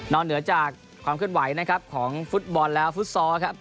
เหนือจากความเคลื่อนไหวนะครับของฟุตบอลแล้วฟุตซอลครับ